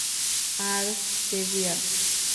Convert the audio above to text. আরে, জেভিয়ার।